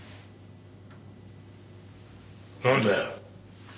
なんだよ！